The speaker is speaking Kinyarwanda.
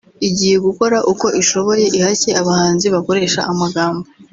igiye gukora uko ishoboye ihashye abahanzi bakoresha amagambo